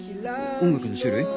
音楽の種類？